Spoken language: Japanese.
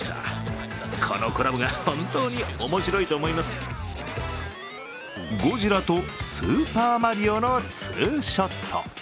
そのお目当てはゴジラとスーパーマリオのツーショット。